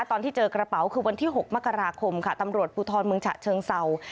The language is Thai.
ตอนที่เจอกระเป๋าคือวันที่๖มกราคมค่ะตำรวจภูทรเมืองฉะเชิงเศร้า